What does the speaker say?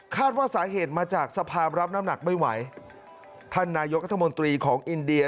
ว่าสาเหตุมาจากสภาพรับน้ำหนักไม่ไหวท่านนายกรัฐมนตรีของอินเดีย